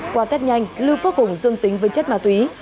qua thét nhanh lư phước hùng dương tính với chất ma túy